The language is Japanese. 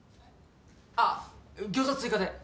あっギョーザ追加で。